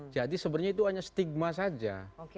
jadi sebenarnya itu hanya stigma saja